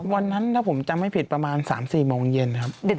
วันนั้นถ้าผมจำให้ผิดประมาณสามสี่โมงเย็นครับ